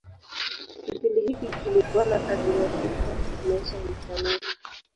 Kipindi hiki kilikuwa na athira kuu katika maisha ya mtaalamu.